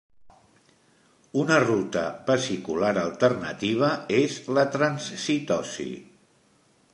Una ruta vesicular alternativa és la transcitosi.